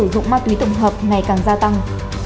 sử dụng ma túy tổng hợp ngày càng gia tăng